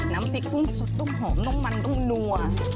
น้ำพริกกุ้งสดต้องหอมต้องมันต้องนัว